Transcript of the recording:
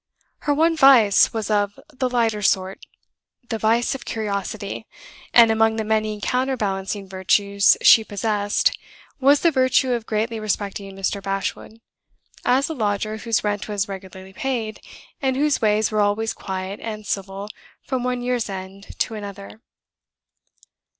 Her one vice was of the lighter sort the vice of curiosity; and among the many counterbalancing virtues she possessed was the virtue of greatly respecting Mr. Bashwood, as a lodger whose rent was regularly paid, and whose ways were always quiet and civil from one year's end to another.